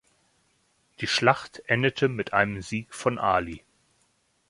Die Schlacht endete mit einem Sieg von Ali.